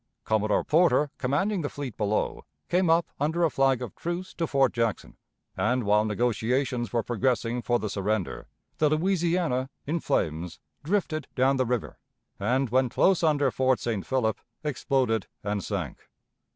Commodore Porter, commanding the fleet below, came up under a flag of truce to Fort Jackson, and, while negotiations were progressing for the surrender, the Louisiana, in flames, drifted down the river, and, when close under Fort St. Philip, exploded and sank.